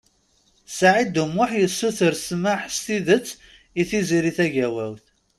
Saɛid U Muḥ yessuter smeḥ stidet i Tiziri Tagawawt.